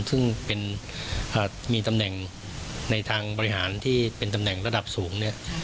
ซึ่งมีตำแหน่งในทางบริหารที่เป็นตำแหน่งระดับสูงเนี่ย